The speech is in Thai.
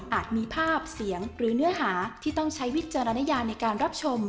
มีภาพเสียงหรือเนื้อหาที่ต้องใช้วิจารณญาในการรับชม